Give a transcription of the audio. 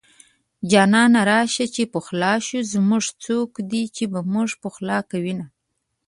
جانانه راشه چې پخلا شو زمونږه څوک دي چې به مونږ پخلا کوينه